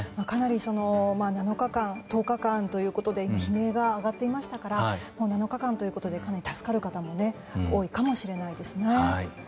かなり７日間１０日間ということで悲鳴が上がっていましたから７日間ということでかなり助かる方も多いかもしれないですね。